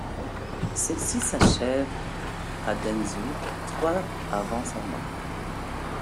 Celle-ci s'achève à Dengzhou, trois avant sa mort.